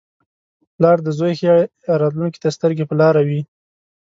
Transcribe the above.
• پلار د زوی ښې راتلونکې ته سترګې په لاره وي.